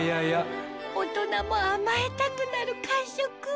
大人も甘えたくなる感触